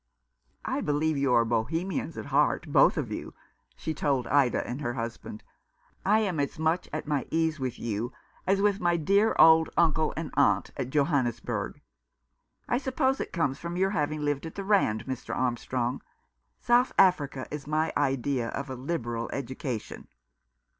" I believe you are Bohemians at heart, both of you," she told Ida and her husband. "I am as 324 The American Remembers. much at my ease with you as with my dear old uncle and aunt at Johannesburg. I suppose it comes of your having lived at the Rand, Mr. Armstrong. South Africa is my idea of a liberal education."